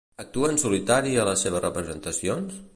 Actua en solitari a les seves representacions?